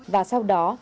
và sau đó